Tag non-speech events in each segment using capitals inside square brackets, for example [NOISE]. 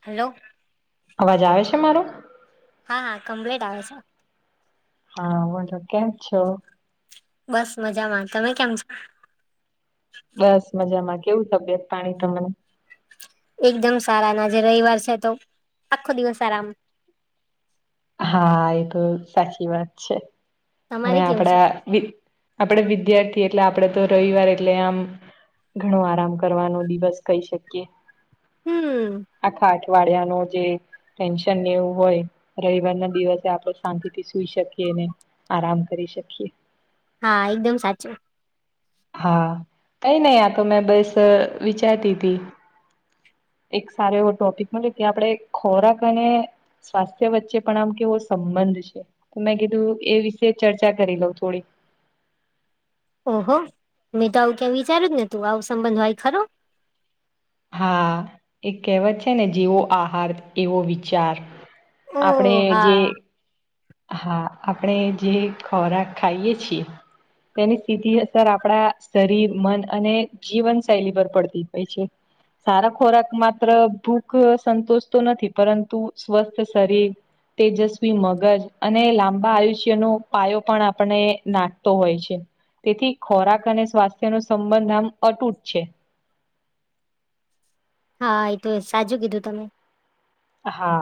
Hello. અવાજ આવે છે મારો. હા હા કમપ્લેટ આવે છે. હા બોલો કે્યા છો. બસ મજામાં તમે કેમ છો. બસ મજામાં કેવું તબિયત પાણી ત મને. એકદમ સારા ના જેે રવિવાર છે તો આખો દિવસ આરામ. હા એ તો સાચી વાત છે અને તમારે કેવું છે આપડા. આપડે વિદ્યાર્થી એટલે આપડે તો રવિવાર એટલે આમ. ઘણો આરામ કરવાનો દિવસ કહી શકીએ. હમ. આખા અઠવાડિયા ન જે ટેન્શન એવું હોય. રવિવાર ના દિવસે આપણે શાંતિ થી સુઈ શકીએ ને આરામ કરી શકીએ. હા એકદમ સાચું. હા કઈ નહી આતો મેં બસ વિચારતી હતીી. એક સારો એવો ટોપિક મ કે આપણે ખોરાક અને. સ્વાસ્થ્ય વચ્ચે પણ આમ કેવો સંબંધ છે. તો મેં કીધું એ વિશે ચર્ચા કરી લઉં થોડી. ઓહો મેં તો આવું ક્યાં વિચાર્યું જ ને તું આવું સંબંધ હોય ખરો. હા એ કહેવત છે ને જેવો આહાર એવો વિચાર. ઓ આપણે જે હા હા આપણે જે ખોરાક ખાઈએ છીએ તેની સ્થિતિ સર આપણા શરીર મન અને જીવન શૈલી પર પડતી હોય છે સારા ખોરાક માત્ર ભૂખ સંતોષ તો નથી પરંતુ સ્વસ્થ શરીર તેજસ્વી મગજ અને લાંબા આયુષ્યનો પાયો પણ આપણે નાખતો હોય છે તેથી ખોરાક અને સ્વાસ્થ્ય નો સંબંધ આમ અટૂટ છે હા એ તો સાચું કીધું તમે હા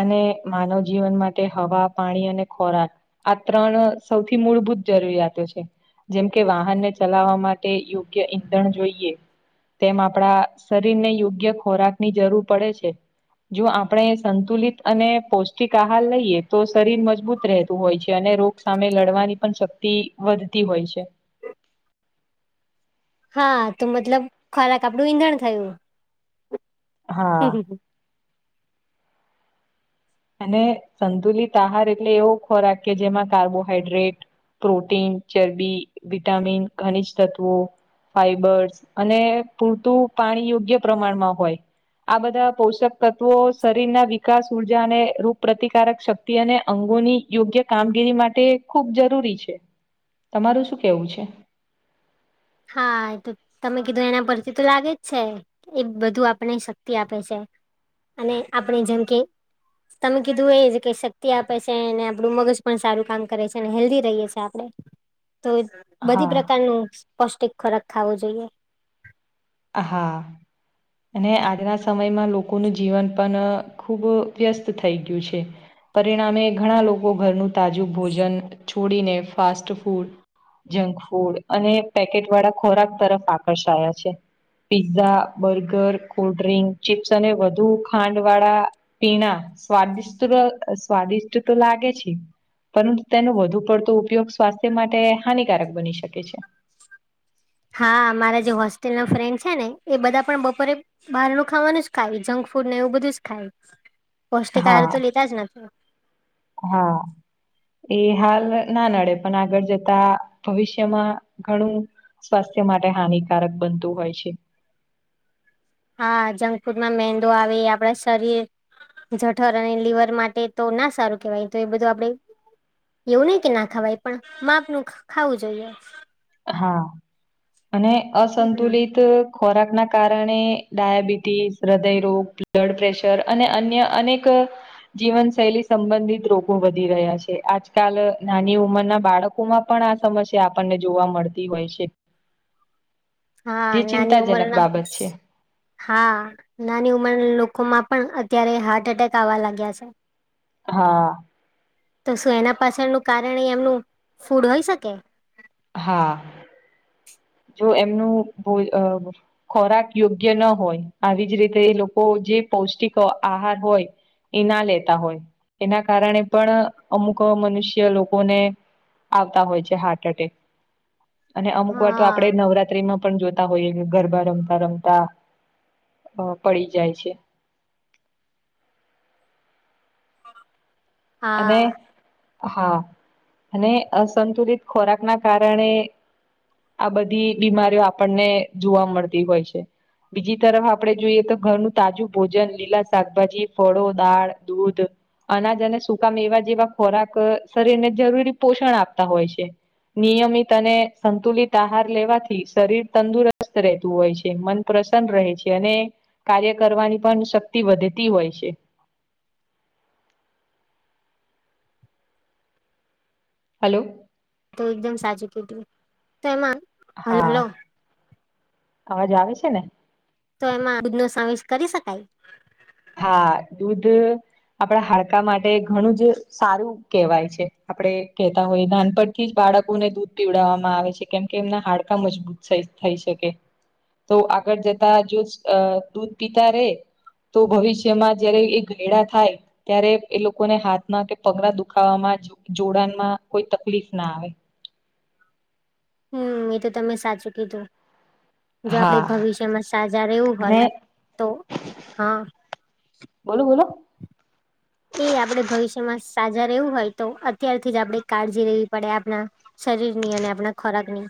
અને માનવ જીવન માટે હવા પાણી અને ખોરાક આ ત્રણ સૌથી મૂળભૂત જરૂરિયાતો છે જેમ કે વાહનને ચલાવા માટે યોગ્ય ઈંધણ જોઈએ તેમ આપડા શરીરને યોગ્ય ખોરાક ની જરૂર પડે છે જો આપણે સંતુલિત અને પૌષ્ટિક આહાર લઈએ તો શરીર મજબૂત રહેતું હોય છે અને રોગ સામે લડવાની પણ શક્તિ વધતી હોય છે હા તો મતલબ ખોરાક આપડું ઈંધણ થયું હા અને સંતુલિત આહાર એટલે એવો ખોરાક કે જેમાં કાર્બોહાઈડ્રેટ પ્રોટીન ચરબી વિટામિન ખનીજ તત્વો ફાઈબર્સ અને પૂરતું પાણી યોગ્ય પ્રમાણ માં હોય આ બધા પોષક તત્વો શરીર ના વિકાસ ઉ ઉર્જા ને રૂપ પ્રતિકારક શક્તિ અને અંગોની યોગ્ય કામગીરી માટે ખૂબ જરૂરી છે તમારું શું કેવું છે હા એ તો તમે કીધું એના પરથી તો લાગે જ છે. એ બધું આપણે શક્તિ આપે છે અને આપણે જેમ કે તમે કીધું એ જ કે શક્તિ આપે છે એ ને આપડું મગજ પણ સારું કામ કરે છે અને હેલ્દી રહીએ છીએ આપડે તો બધી હા પ્રકારનો પૌષ્ટિક ખોરાક ખાવો જોઈએ હા અને આજના સમયમાં લોકોનું જીવન પણ અ ખુબ વ્યસ્ત થઈ ગયું છે પરિણામે ઘણા લોકો ઘરનું તાજું ભોજન છોડીને ફાસ્ટ ફૂડ જંક ફૂડ અને પેકેટ વાળા ખોરાક તરફ આકર્ષાયા છે પીઝા બર્ગર કોલ્ડડ્રિંક ચીપ્સ અને વધુ ખાંડ વાળા પીણા સ્વાદિષ્ટ રે અ સ્વાદિષ્ટ તો લાગે છે. પરંતુ તેનો વધુ પડતો ઉપયોગ સ્વાસ્થ્ય માટે હાનિકારક બની શકે છે. હા મારા જે હોસ્ટેલ ના ફ્રેન્ડ છે ને એ બધા પણ બપોરે બહાર નું ખાવાનું જ ખાય જંક ફૂડ ને એવું બધું જ ખાય. [INAUDIBLE] પૌષ્ટિક આહાર તો લીધા જ નથી. હો. એ હાલ ના નડે પણ આગળ જતા ભવિષ્યમાં ઘણું સ્વાસ્થ્ય માટે હાનિકારક બનતું હોય છે. હા જંક ફૂડમાં મેંદો આવે એ આપણા શરીર જઠર અને લીવર માટે તો ના સારું કેવાય તો એ બધું આપડે એવું નહીં કે ના ખવાય પણ માપનું ખા ખાવું જોઈએ. હા અને અસંતુલિત ખોરાક ના કારણે ડાયાબિટીસ હૃદયરોગ બ્લડ પ્રેશર અને અન્ય અનેક જીવનશૈલી સંબંધિત રોગો વધી રહ્યા છે, આજકાલ નાની ઉંમરના બાળક કોમાં પણ આ સમસ્યા આપણને જોવા મળતી હોય છે. હા તે નાની ચિંતાજનક ઉંમરના બાબત છે. હા નાની ઉંમર લોકોમાં પણ અત્યારે હાર્ટ એટેક આવા લાગ્યા છે. હા. તો શું એના પાછળનું કારણ એ એમનું ફૂડ હોઈ શકે. હા જો એમનું ભોય અબ ખોરાક યોગ્ય ન હોય આવી જ રીતે એ લોકો જે પૌષ્ટિક આહાર હોય એ ના લેતા હોય એના કારણે પણ અમુક મનુષ્ય લોકોને આવતા હોય છે હાર્ટ એટેક અને અમુક વાર તો આપડે હા નવરાત્રીમાં પણ જોતા હોઈએ કે ગરબા રમતા રમતા અ પડી જાય છે. અને હા હા અને અસંતુલિત ખોરાક ના કારણે આ બધી બીમારીઓ આપણને જોવા મળતી હોય છે. બીજી તરફ આપડે જોઈએ તો ઘરનું તાજું ભોજન લીલા શાકભાજી ફળો દાળ દૂધ અનાજ અને સુકામેવા જેવા ખોરાક શરીરને જરૂરી પોષણ આપતા હોય છે. નિયમિત અને સંતુલિત આહાર લેવાથી શરીર તંદુરસ્ત રહેતું હોય છે મન પ્રસન્ન રહે છે અને કાર્ય કરવાની પણ શક્તિ વધતી હોય છે. હલો. તો એકદમ સાચું કીધું તો એમાં અહા હલો અવાજ આવે છે ને. તો એમાં દૂધ નો સમાવેશ કરી શકાય. હા દૂધ આપડા હાડકા માટે ઘણું જ સારું કેેવાય છે આપડે કહેતા હોય નાનપણથી જ બાળકોને દૂધ પીવડાવામાં આવે છે. કેમ કે એમના હાડકા મજબૂત થ થઈ શકે. તો આગળ જતા જો અ દૂધ પીતા રે તો ભવિષ્યમાં જયારે એક ઘેડા થાય ત્યારે એ લોકોને હાથમાં કે પગના દુખાવામાં જો જોડાણમાં કોઈ તકલીફ ના આવે. હમ્મ એ તો તમે સાચું કીધું. જો આપડે હા ભવિષ્યમાં સાજા રહેવું અને હોય તો હા બોલો બોલો એ આપડે ભવિષ્યમાં સાજા રહેવું હોય તો અત્યારથી જ આપડે કાળજી રેવી પડે આપણા શરીર નિ અને આપના ખોરાક નિ.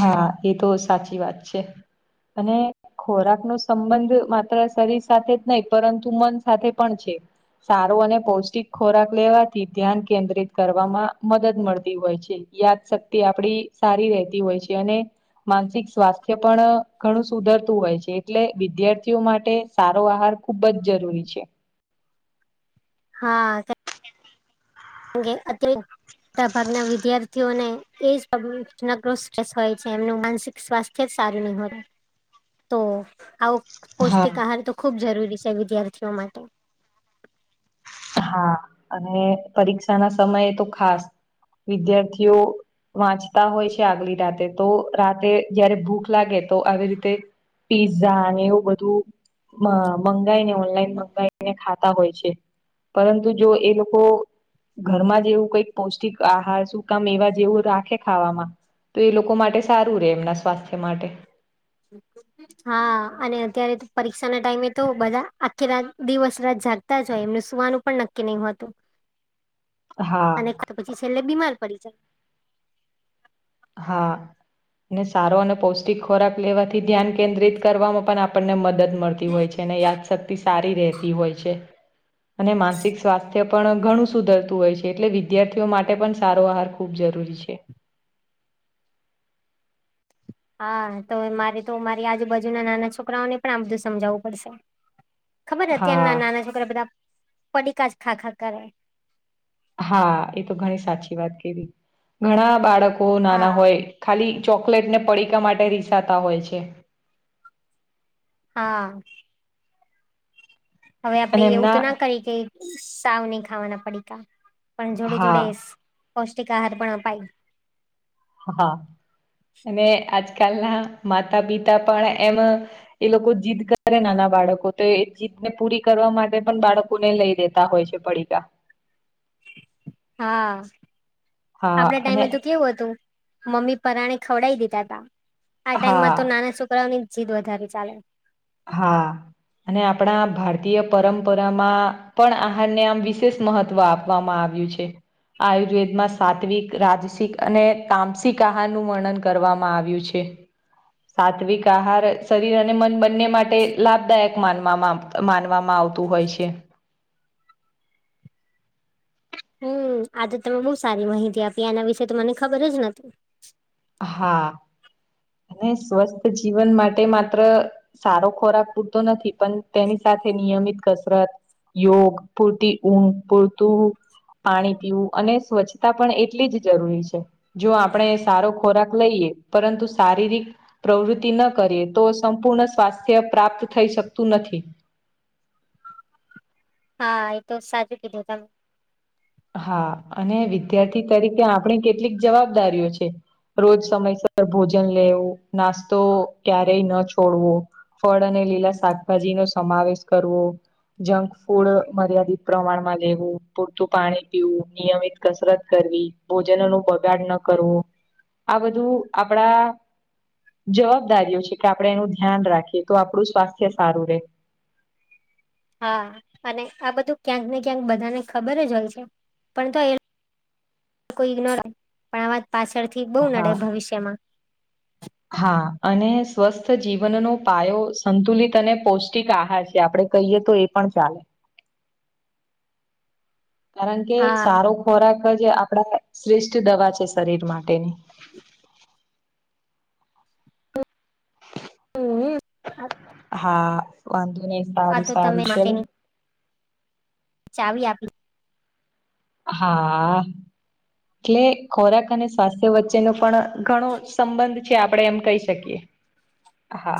હા એ તો સાચી વાત છે અને ખોરાક નો સંબંધ માત્ર શરીર સાથે જ નહી પરંતુ મન સાથે પણ છે. સારું અને પૌષ્ટિક ખોરાક લેવાથી ધ્યાન કેન્દ્રિત કરવામાં મદદ મળતી હોય છે. યાદશક્તિ આપડી સારી રહેતી હોય છે અને માનસિક સ્વાસ્થ્ય પણ ઘણું સુધરતું હોય છે એટલે વિદ્યાર્થીઓ માટે સારો આહાર ખુબ જ જરૂરી છે. હા [UNINTELLIGIBLE] મોટા ભાગના વિદ્યાર્થીઓને એ [UNINTELLIGIBLE] હોય છે એમનું માનિક સ્વાસ્થ્ય જ સારું નહી હોય તો આવું હા પૌષ્ટિક આહાર તો ખુબ જરૂરી છે વિદ્યાર્થીઓ માટે હા અને પરીક્ષા ના સમયે તો ખાસ વિદ્યાર્થીઓ વાંચતા હોય છે આગલી રાતે તો રાતે જયારે ભૂખ લાગે તો આવી રીતે પીઝા અને એવું બધું મંગાવાઈને ઓનલાઈન મંગાવાઈને ખાતા હોય છે. પરંતુ જો એ લોકો ઘરમાં જેવું કઈક પૌષ્ટિક આહાર શું કામ એવા જેવું રાખે ખાવામાં તો એ લોકો માટે સારું રહેે એમના સ્વાસ્થ્ય માટે [UNINTELLIGIBLE] હા અને અત્યારે તો પરીક્ષા ના ટાઈમે તો બધા આખી રાત દિવસ રાત જાગ તા જ હોય એમનું સુવાનું પણ નક્કી નહી હો હતું. હા તો પછી છેલ્લે બીમાર પડી જાય હા ને સારો અને પૌષ્ટિક ખોરાક લેવાથી ધ્યાન કેન્દ્રિત કરવામાં પણ આપણને મને મદદ મદદ મળતી હોય છે અને યાદશક્તિ સારી રહેતી હોય છે અને માનસિક સ્વાસ્થ્ય પણ ઘણું સુધરતું હોય છે એટલે વિદ્યાર્થીઓ માટે પણ સારો આહાર ખૂબ જરૂરી છે હા તો મારે તો મારી આજુબાજુના નાના છોકરાઓને પણ આ બધું સમજાવવું પડશે ખબર અત્યારના હા નાના છોકરા બધા પડીકા જ ખાખા કરે હા એ તો ઘણી સાચી વાત કેવી ઘણા બાળકો નાના હા હોય ખાલી ચોકલેટ ને પડીકા માટે રીસાતા હોય છે હા હવે આપણે અને એવું તો એમના ના કરી કે સાવ નહી ખાવાના પડીકા પણ જોડે હા જોડે પૌષ્ટિક આહાર આપાય હા અને આજકાલના માતા પિતા પણ એમ એ લોકો જીદ કરે નાના બાળકો તો એ જીદને પૂરી કરવા માટે પણ બાળકો ખુ દ ને લઈ દેતા હોય છે પડીકા હા હા આપડા અને ટાઈમે તો કેવું હતું મમ્મી પરાણે ખવડાવી દીધાતા આ હા ટાઈમમાં તો નાના છોકરાઓની જીદ વધારે ચાલે હા અને આપણા ભારતીય પરંપરામાં પણ આહારને આમ વિશેષ મહત્વ આપવામાં આવ્યું છે આયુર્વેદમાં સાત્વિક રાજસિક અને તામસિક આહાર નું વર્ણન કરવામાં આવ્યું છે સાત્વિક આહાર શરીર અને મન બને બને માટે લાભદાયક માનવામાં માનવામાં આવતું હોય છે. હમ આ તો તમે બહુ સારી માહિતી આપી એના વિશેે તો મને ખબર જ નથી. હા અને સ્વસ્થ જીવન માટે માત્ર સારો ખોરાક પૂરતો નથી પણ તેની સાથે નિયમિત કસરત યોગ પૂરતી ઊંઘ પુરતું પાણી પીવું અને સ્વચ્છતા પણ એટલી જ જરૂરી છે જો આપણે સારો ખોરાક લઈએ પરંતુ શારીરિક પ્રવૃત્તિ ન કરીએ તો સંપૂર્ણ સ્વાસ્થ્ય પ્રાપ્ત થઈ શકતું નથી હા એ તો સાચું કીધું તમે હા અને વિદ્યાર્થી તરીકે આપણી કેટલીક જવાબદારીઓ છે રોજ સમયસર ભોજન લેવું નાસ્તો ક્યારેય ન છોડવો ફળ અને લીલા શાકભાજી નો સમાવેશ કરવો. જંક ફૂડ મર્યાદિત પ્રમાણમાં લેવું પૂરતું પાણી પીવું નિયમિત કસરત કરવી ભોજન નું બગાડ ન કરવું. આ બધું આપડા જવાબદારીઓ છે કે આપણે એનું ધ્યાન રાખીએ તો આપડું સ્વાસ્થ્ય સારું રહેે. હા અને આ બધું ક્યાંક ને ક્યાંક બધાને ખબર જ હોય છે પણ તો એ કોઈ ઈગ્નોર પણ આવા પાછળ થી બહું હા નડે ભવિષ્યમાં. [INAUDIBLE] હા અને સ્વસ્થ જીવનનો પાયો સંતુલિત અને પૌષ્ટિક આહાર છે આપણે કહીએ તો એ પણ ચાલે. કારણ કે હા સારો ખોરાક જ આપડા શ્રેષ્ઠ દવા છે શરીર માટે. હમ. હા વાંધો નહી આ સારું તો તમે સારું ચલો. માટેની ચાવી આપી. હા એટલે ખોરાક અને સ્વાસ્થ્ય વચ્ચેનો પણ ઘણો સંબંધ છે, આપણેે એમ કહી શકીએ હા.